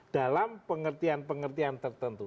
dalam pengertian pengertian tertentu